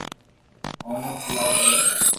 اوني کھيلوا دي